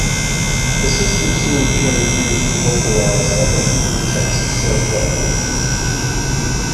The system soon became used to vocalize other Hebrew texts as well.